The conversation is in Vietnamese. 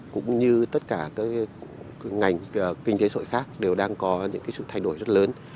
cũng như tất cả các ngành kinh tế sội khác đều đang có những sự thay đổi rất lớn